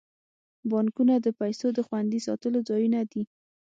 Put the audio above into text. بانکونه د پیسو د خوندي ساتلو ځایونه دي.